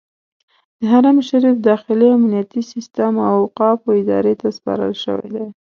د حرم شریف داخلي امنیتي سیستم اوقافو ادارې ته سپارل شوی دی.